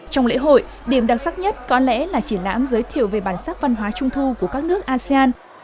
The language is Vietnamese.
trong lễ hội điểm đặc sắc nhất có lẽ là triển lãm giới thiệu về bản sắc văn hóa trung thu của các nước asean